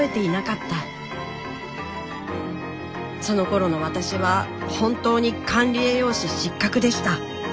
そのころの私は本当に管理栄養士失格でした。